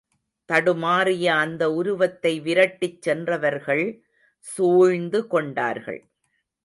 தடுமாறிய அந்த உருவத்தை விரட்டிச் சென்றவர்கள் சூழ்ந்து, கொண்டார்கள்.